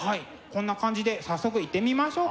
こんな感じで早速いってみましょうか。